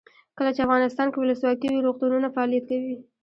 کله چې افغانستان کې ولسواکي وي روغتونونه فعالیت کوي.